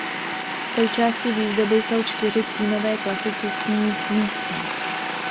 Součástí výzdoby jsou čtyři cínové klasicistní svícny.